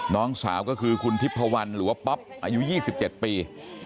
น้องสาวก็คือคุณทิพพวันหรือว่าป๊อปอายุ๒๗ปี